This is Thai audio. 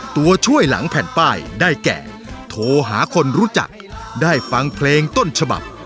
ตัวช่วยหลังแผ่นป้ายได้แก่โทรหาคนรู้จักได้ฟังเพลงต้นฉบับ